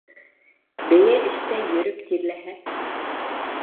Бейә эштә йөрөп тирләһә